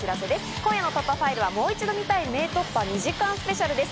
今夜の『突破ファイル』はもう一度見たい名突破２時間スペシャルです。